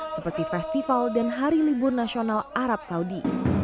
seperti festival dan hari libur nasional arab saudi